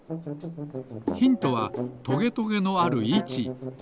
ヒントはトゲトゲのあるいち。